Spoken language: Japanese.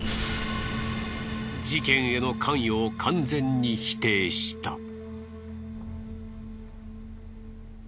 事件への関与を完全に否定した。